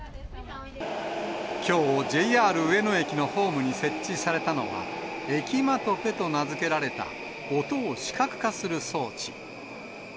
きょう、ＪＲ上野駅のホームに設置されたのは、エキマトペと名付けられた音を視覚化する装置。